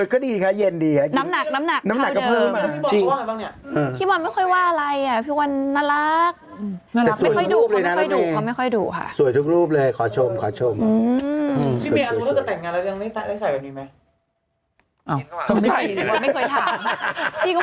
ก็ดีค่ะเย็นดีครับอันเดิมน้ำหนักเธอเพิ่มมาจริง